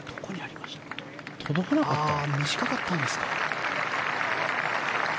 短かったんですかね。